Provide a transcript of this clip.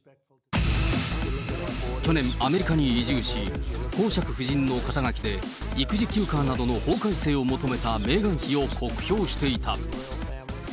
去年、アメリカに移住し、公爵夫人の肩書で育児休暇などの法改正を求めたメーガン妃を酷評していた。